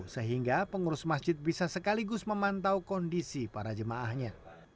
sehingga pengurus masjid bisa sekaligus memantau kondisi para jemaahnya